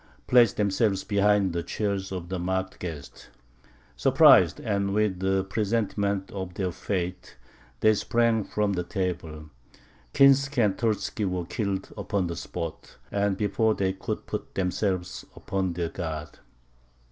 placed themselves behind the chairs of the marked guests. Surprised, and with a presentiment of their fate, they sprang from the table. Kinsky and Terzky were killed upon the spot, and before they could put themselves upon their guard.